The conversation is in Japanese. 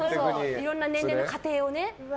いろんな年齢の過程をね。